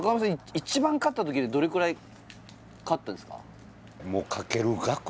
一番勝った時でどれくらい勝ったんですか？